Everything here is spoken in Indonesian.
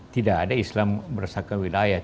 tidak ada islam meresahkan wilayah